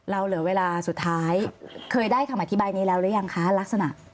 เหลือเวลาสุดท้ายเคยได้คำอธิบายนี้แล้วหรือยังคะลักษณะ